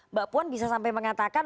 mbak puan bisa sampai mengatakan